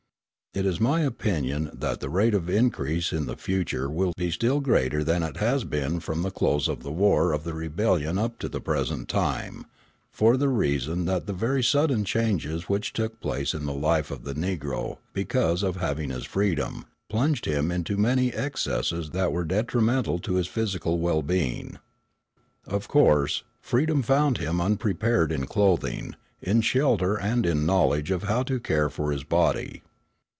It is my opinion that the rate of increase in the future will be still greater than it has been from the close of the war of the Rebellion up to the present time, for the reason that the very sudden changes which took place in the life of the Negro, because of having his freedom, plunged him into many excesses that were detrimental to his physical well being. Of course, freedom found him unprepared in clothing, in shelter and in knowledge of how to care for his body.